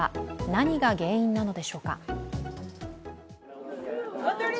何が原因なのでしょうか。